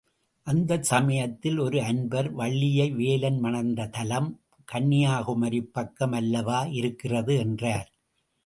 அந்தச் சமயத்தில் ஒரு அன்பர், வள்ளியை வேலன் மணந்த தலம், கன்னியாகுமரிப் பக்கம் அல்லவா இருக்கிறது என்றார்.